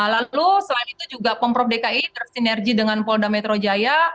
lalu selain itu juga pemprov dki bersinergi dengan polda metro jaya